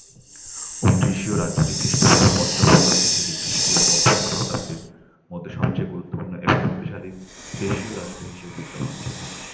ওদ্রিসীয় রাজ্যটি খ্রিস্টপূর্ব পঞ্চম শতাব্দী থেকে খ্রিস্টীয় প্রথম শতাব্দীর মধ্যে সবচেয়ে গুরুত্বপূর্ণ এবং শক্তিশালী থ্রেশীয় রাষ্ট্র হিসাবে বিদ্যমান ছিল।